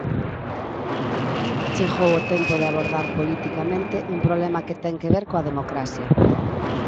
Chegou o tempo de abordar politicamente un problema que ten que ver coa democracia.